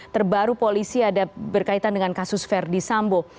terbaru polisi ada berkaitan dengan kasus verdi sambo